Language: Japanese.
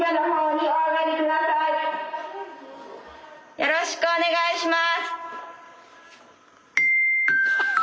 よろしくお願いします。